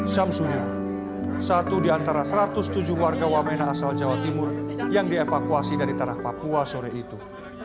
syamsudin satu di antara satu ratus tujuh warga wamena asal jawa timur yang dievakuasi dari tanah papua sore itu